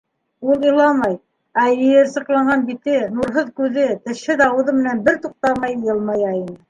Ул иламай, ә йыйырсыҡланған бите, нурһыҙ күҙе, тешһеҙ ауыҙы менән бер туҡтамай йылмая ине...